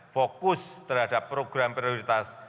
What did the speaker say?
fokus terhadap program prioritas